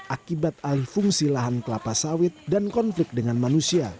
akibat alih fungsi lahan kelapa sawit dan konflik dengan manusia